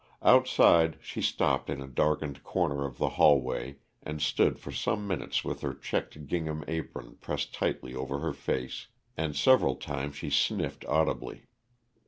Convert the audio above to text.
Outside, she stopped in a darkened corner of the hallway and stood for some minutes with her checked gingham apron pressed tightly over her face, and several times she sniffed audibly.